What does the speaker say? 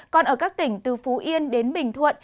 còn ở các tỉnh từ phú yên đến bình thuận